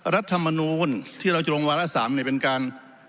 รัฐมนูลที่เราจะลงวารสามเนี่ยเป็นการ